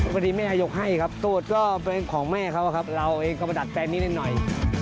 พอดีแม่ยกให้ครับตูดก็เป็นของแม่เขาครับเราเองก็มาดัดแปลงนี้นิดหน่อย